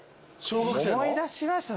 思い出しました